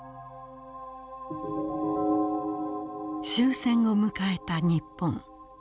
終戦を迎えた日本。